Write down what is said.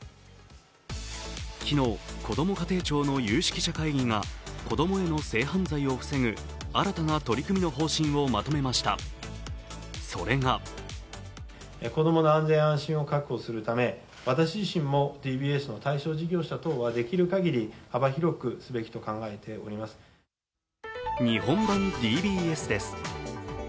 昨日、こども家庭庁の有識者会議が子供への性犯罪を防ぐ新たな取り組みの方針をまとめました、それが日本版ＤＢＳです。